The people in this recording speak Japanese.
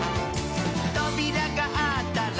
「とびらがあったら」